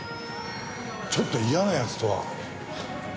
ちょっと嫌な奴とは？